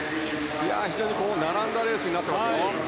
非常に並んだレースになっていますよ。